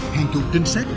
hàng chục trinh sách